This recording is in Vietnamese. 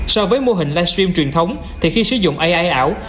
so với mô hình live stream truyền thống thì khi sử dụng ai ảo